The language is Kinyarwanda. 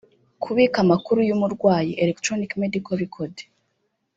Kubika amakuru y’umurwayi (Electronic Medical Record)